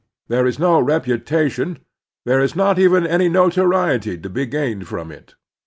There is no reputation, there is not even any notoriety, to be gained from it.